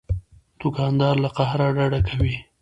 دوکاندار له قهره ډډه کوي.